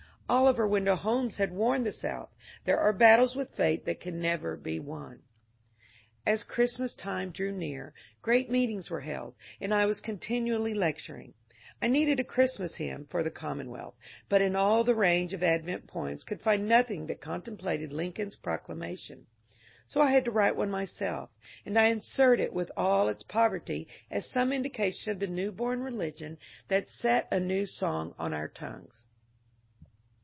Oliver Wendell Holmes had warned the South, ^^ There are battles with Fate that can never be won.'' As Christmas time drew near, great meetings were held, and I was continually lecturing. I needed a Christmas hymn for the ^^Commonwealth," but in all the range of Advent poems could find nothing that contemplated Lincoln's procla mation ; so I had to write one myself, and I insert it with all its poverty as some indication of the new bom religion that set a new song on our tongues.